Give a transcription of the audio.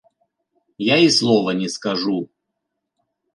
Я і слова не скажу.